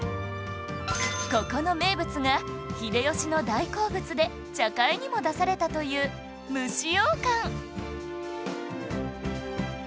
ここの名物が秀吉の大好物で茶会にも出されたという蒸し羊羹